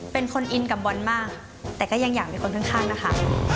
เป็นคนอินกับบอลมากแต่ก็ยังอยากเป็นคนข้างนะคะ